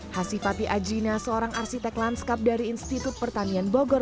hasifati ajina seorang arsitek lanskap dari institut pertanian bogor